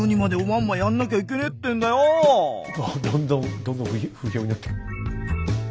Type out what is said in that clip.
ああどんどんどんどん不評になっていく。